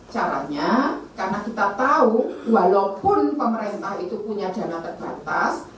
caranya karena kita tahu walaupun pemerintah itu punya dana terbatas